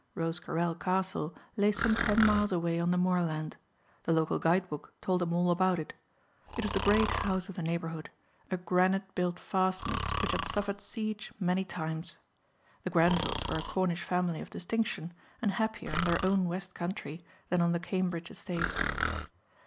Rosecarrel Castle lay some ten miles away on the moorland. The local guidebook told him all about it. It was the great house of the neighbourhood, a granite built fastness which had suffered siege many times. The Grenvils were a Cornish family of distinction and happier in their own West Countree than on the Cambridge estates.